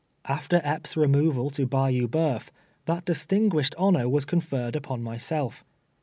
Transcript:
After Epps' re moval to liuyou 15(euf, that distiiii^uished hnnor was conferred upon myself.